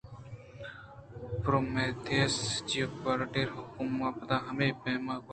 پرومیتھئُس ءَ جیوپیٹر ءِ حُکم ءِ پدا ہمے پیم کت